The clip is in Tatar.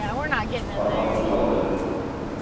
Арба кузгалды.